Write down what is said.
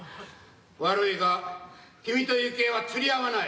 悪いが君と幸恵は釣り合わない。